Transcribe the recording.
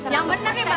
yang bener nih mbak yuk